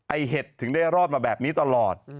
ไอ้เห็ดถึงรอดมาแบบนี้ตลอด